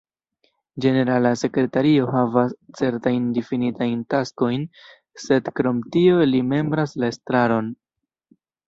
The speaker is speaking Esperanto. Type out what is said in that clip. Ĝenerala sekretario havas certajn difinitajn taskojn, sed krom tio li membras la estraron.